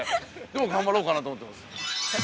でも頑張ろうかなと思ってます。